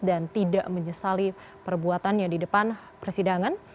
dan tidak menyesali perbuatannya di depan persidangan